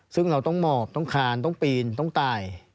ซึ่งเราต้องหมอบต้องคานต้องปีนต้องตาย